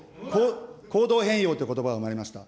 行動変容ということばが生まれました。